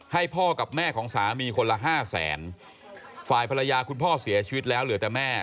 ให้พ่อกับแม่ของสามีคนละห้าแสนฝ่ายภรรยาคุณพ่อเสียชีวิตแล้วเหลือแต่แม่